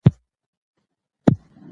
شاه شجاع باید خپله ژمنه په یاد وساتي.